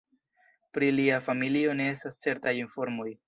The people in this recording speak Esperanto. Pri lia familio ne estas certaj informoj.